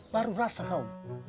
baru rasa kau